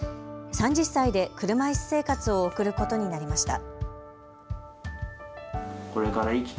３０歳で車いす生活を送ることになりました。